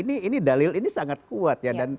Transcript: ini dalil ini sangat kuat ya